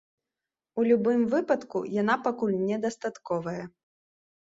У любым выпадку, яна пакуль недастатковая.